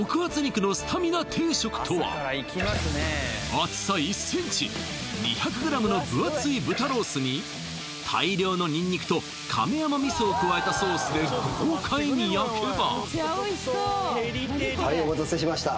厚さ１ｃｍ２００ｇのぶ厚い豚ロースに大量のニンニクと亀山味噌を加えたソースで豪快に焼けばうわあ